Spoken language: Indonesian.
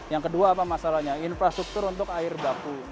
yang kedua apa masalahnya infrastruktur untuk air baku